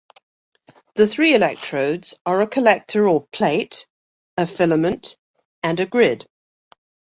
The three electrodes are a collector or plate, a filament, and a grid.